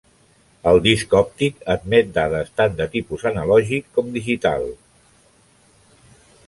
El disc òptic admet dades tant de tipus analògic com digital.